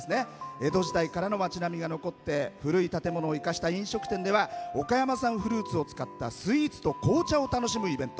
江戸時代からの町並みが残って古い建物を使った飲食店では岡山産フルーツを使ったスイーツと紅茶を楽しむイベント